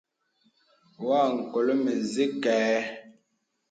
Wɔ a nkɔlə mə zə̀ kâ ə̀.